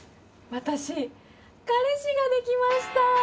私彼氏ができました！